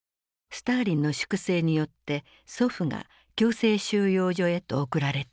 スターリンの粛清によって祖父が強制収容所へと送られていた。